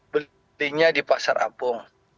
belinya di pasar ampung